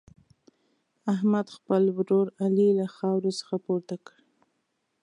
احمد، خپل ورور علي له خاورو څخه پورته کړ.